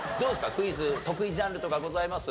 クイズ得意ジャンルとかございます？